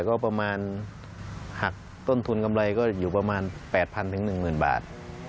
ก็ประมาณหักต้นทุนกำไรก็อยู่ประมาณ๘๐๐๑๐๐บาท